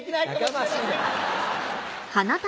やかましい！